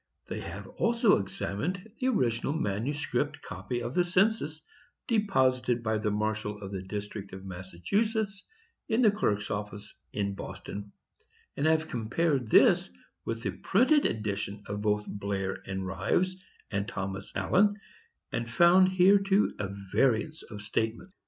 They have also examined the original manuscript copy of the census, deposited by the marshal of the District of Massachusetts in the clerk's office in Boston, and have compared this with the printed edition of both Blair and Rives, and Thomas Allen, and found here, too, a variance of statements.